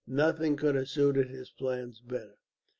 Nothing could have suited his plans better.